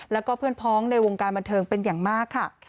แล้วก็เพื่อนพ้องในวงการบันเทิงเป็นอย่างมากค่ะ